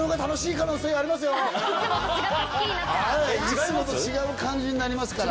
いつもと違う感じになりますから。